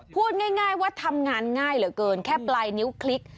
พูดง่ายว่าทำงานง่ายเหลือเกินแค่ปลายนิ้วคลิก